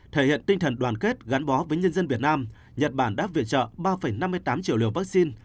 thể hiện tinh thần đoàn kết gắn bó với nhân dân việt nam nhật bản đã viện trợ ba năm mươi tám triệu liều vaccine